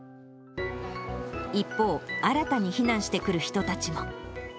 一方、新たに避難してくる人たちも。